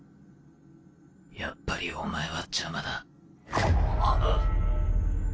やっぱりお前は邪魔だ。っ！